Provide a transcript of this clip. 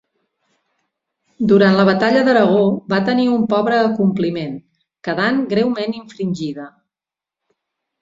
Durant la batalla d'Aragó va tenir un pobre acompliment, quedant greument infringida.